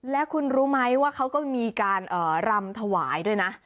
แล้วคุณรู้ไหมว่าเขาก็มีการรำถวายด้วยนะ